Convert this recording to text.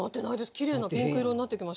きれいなピンク色になってきました。